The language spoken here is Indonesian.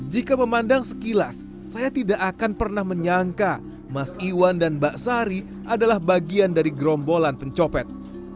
jika memandang sekilas saya tidak akan pernah menyangka mas iwan dan mbak sari adalah bagian dari gerombolan pencopet